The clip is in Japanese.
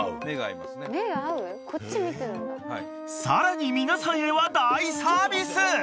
［さらに皆さんへは大サービス！］